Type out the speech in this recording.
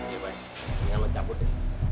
ya baik jangan lo campur de